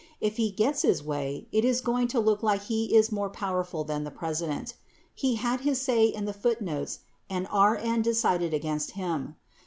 If he gets his way, it is going to look like he is more powerful than the President. He had his say in the footnotes and RN decided against him.